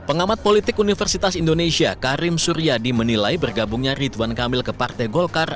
pengamat politik universitas indonesia karim suryadi menilai bergabungnya ridwan kamil ke partai golkar